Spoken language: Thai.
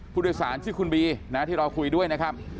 ผู้โดยสารชื่อคุณบีนะที่เราคุยด้วยนะครับ